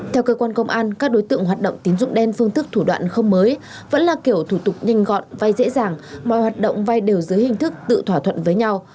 theo cơ quan công an các đối tượng hoạt động tín dụng đen phương thức thủ đoạn không mới vẫn là kiểu thủ tục nhanh gọn vay dễ dàng mọi hoạt động vay đều dưới hình thức tự thỏa thuận với nhau